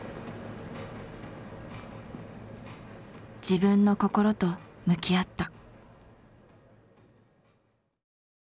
自分の心と向き合った。